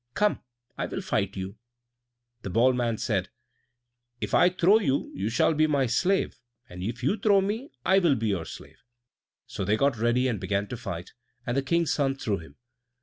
Come, I will fight you." The bald man said, "If I throw you, you shall be my slave; and if you throw me, I will be your slave." So they got ready and began to fight, and the King's son threw him.